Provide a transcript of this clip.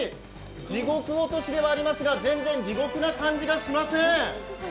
地獄落としではありますが全然、地獄な感じがしません。